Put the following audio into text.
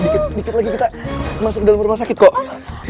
dikit dikit lagi kita masuk ke dalam rumah sakit kok